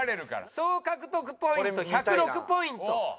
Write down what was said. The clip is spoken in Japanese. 総獲得ポイント１０６ポイント。